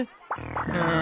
ああ。